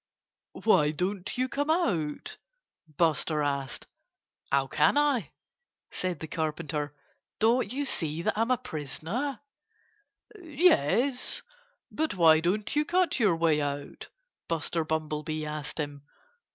"Why don't you come out?" Buster asked. "How can I?" said the Carpenter. "Don't you see that I'm a prisoner?" "Yes! But why don't you cut your way out?" Buster Bumblebee asked him.